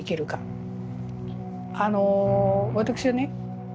あの私はね